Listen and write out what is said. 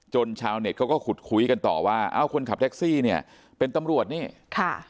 ชาวเน็ตเขาก็ขุดคุยกันต่อว่าเอ้าคนขับแท็กซี่เนี่ยเป็นตำรวจนี่ค่ะ